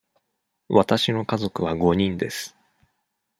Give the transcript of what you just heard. わたしの家族は五人です。